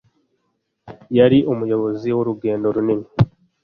Yari umuyobozi wurugendo runini